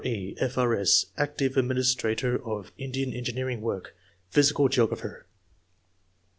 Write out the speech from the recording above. E., F.R.S., active adminis trator of Indian engineering work; physical geographer.